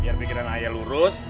biar pikiran ayah lurus